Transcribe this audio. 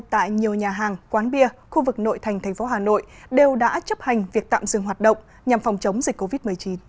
tại nhiều nhà hàng quán bia khu vực nội thành tp hà nội đều đã chấp hành việc tạm dừng hoạt động nhằm phòng chống dịch covid một mươi chín